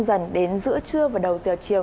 dần đến giữa trưa và đầu giờ chiều